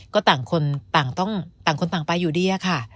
ก็ต่างคนต่างไปอยู่ดี